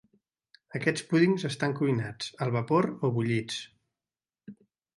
Aquests púdings estan cuinats, al vapor o bullits.